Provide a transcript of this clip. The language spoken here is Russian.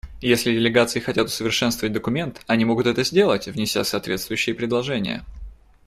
Если делегации хотят усовершенствовать документ, они могут это сделать, внеся соответствующие предложения.